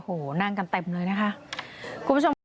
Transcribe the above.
โอ้โฮนั่งกันเต็มเลยนะคะ